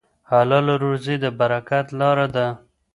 حلاله روزي د برکت لاره ده.